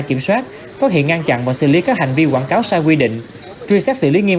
kiểm soát phát hiện ngăn chặn và xử lý các hành vi quảng cáo sai quy định truy xét xử lý nghiêm